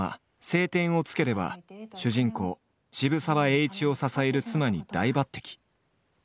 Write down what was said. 「青天を衝け」では主人公渋沢栄一を支える妻に大抜てき。